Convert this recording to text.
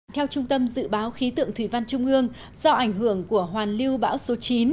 theo trung tâm dự báo khí tượng thủy văn trung ương do ảnh hưởng của hoàn lưu bão số chín